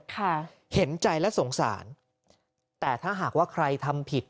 ค่ะเห็นใจและสงสารแต่ถ้าหากว่าใครทำผิด